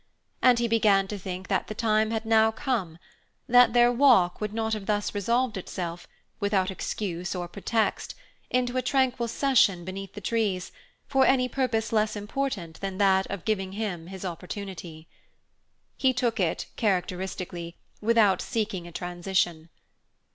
And he began to think that the time had now come; that their walk would not have thus resolved itself, without excuse or pretext, into a tranquil session beneath the trees, for any purpose less important than that of giving him his opportunity. He took it, characteristically, without seeking a transition.